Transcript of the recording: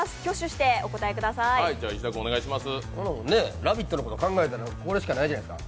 「ラヴィット！」のこと考えたら、これしかないじゃないですか。